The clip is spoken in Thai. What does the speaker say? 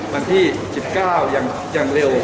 วันที่๑๙ยังเร็ว